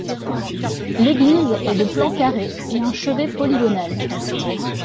L'église est de plan carré et un chevet polygonal.